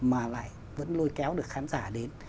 mà lại vẫn lôi kéo được khán giả đến